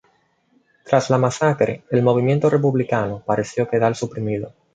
Tras la masacre, el movimiento republicano pareció quedar suprimido.